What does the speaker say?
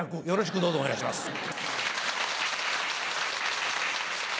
よろしくお願いします。